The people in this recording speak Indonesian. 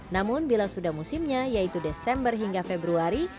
namun bila sudah musimnya yaitu desember hingga februari